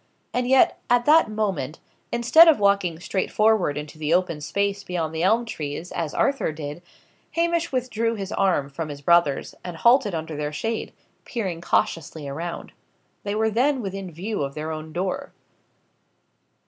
And yet, at that moment, instead of walking straightforward into the open space beyond the elm trees, as Arthur did, Hamish withdrew his arm from his brother's, and halted under their shade, peering cautiously around. They were then within view of their own door.